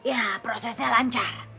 ya prosesnya lancar